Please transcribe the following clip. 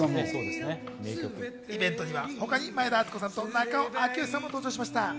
イベントにはほかに前田敦子さんと中尾明慶さんも登場しました。